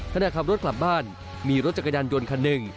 ขณะขับรถกลับบ้านมีรถจักรยานยนต์คันหนึ่ง